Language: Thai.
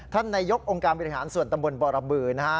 ท่านนายกองค์การบิทยาลัยส่วนตำบลปรบบือนะครับ